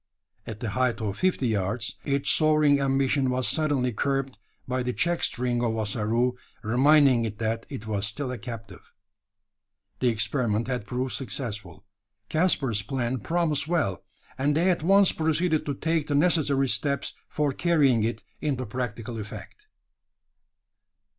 At the height of fifty yards its soaring ambition was suddenly curbed, by the check string of Ossaroo, reminding it that it was still a captive. The experiment had proved successful. Caspar's plan promised well; and they at once proceeded to take the necessary steps for carrying it into practical effect.